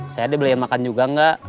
saya ada beli makan juga enggak